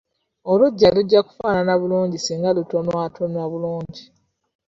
Oluggya lujja kufaanana bulungi singa lutonwatonwa bulungi.